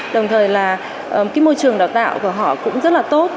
đồng thời môi trường đào tạo của họ cũng rất tốt